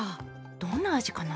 どんな味かな？